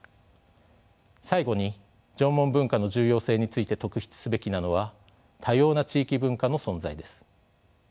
最後に縄文文化の重要性について特筆すべきなのは多様な地域文化の存在です。